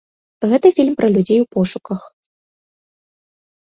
Гэта фільм пра людзей у пошуках.